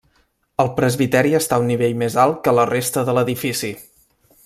El presbiteri està a un nivell més alt que la resta de l'edifici.